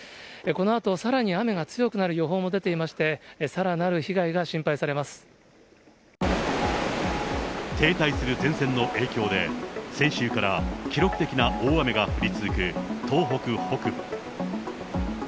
このあとさらに雨が強くなる予報も出ていまして、さらなる被害が停滞する前線の影響で、先週から記録的な大雨が降り続く東北北部。